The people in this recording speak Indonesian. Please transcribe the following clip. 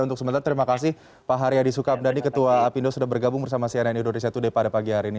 untuk sementara terima kasih pak haryadi sukamdhani ketua apindo sudah bergabung bersama cnn indonesia today pada pagi hari ini